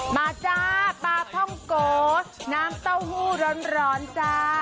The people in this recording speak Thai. จ้าปลาท่องโกน้ำเต้าหู้ร้อนจ้า